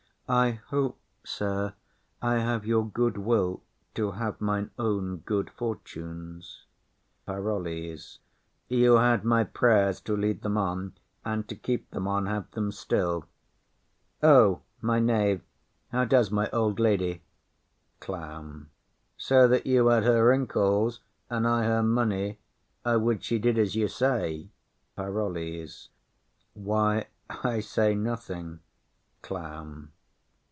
I hope, sir, I have your good will to have mine own good fortune. PAROLLES. You had my prayers to lead them on; and to keep them on, have them still. O, my knave how does my old lady? CLOWN. So that you had her wrinkles and I her money, I would she did as you say. PAROLLES. Why, I say nothing. CLOWN.